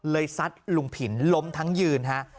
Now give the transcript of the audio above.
เลยซัดลุงผินล้มทั้งยืน